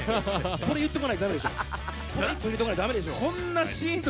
これ言っとかないとだめでしょ。